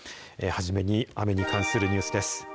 初めに雨に関するニュースです。